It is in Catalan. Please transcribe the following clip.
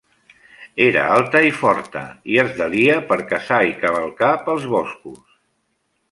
Era alta i forta, i es delia per caçar i cavalcar pels boscos.